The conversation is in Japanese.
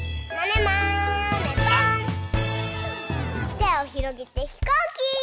てをひろげてひこうき！